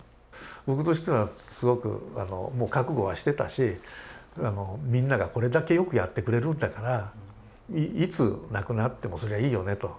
僕としてはすごくもう覚悟はしてたしみんながこれだけよくやってくれるんだからいつ亡くなってもそりゃいいよねと。